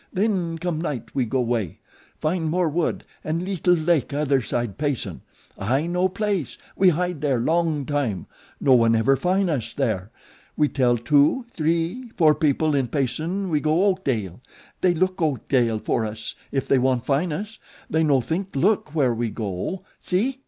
Then come night we go 'way. Find more wood an' leetle lake other side Payson. I know place. We hide there long time. No one ever fin' us there. We tell two, three, four people in Payson we go Oakdale. They look Oakdale for us if they wan' fin' us. They no think look where we go. See?"